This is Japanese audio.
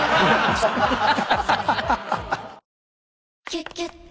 「キュキュット」